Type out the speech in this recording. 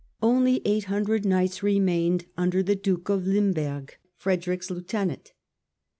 Only eight hundred knights remained under the Duke of Limberg, Frederick's lieutenant.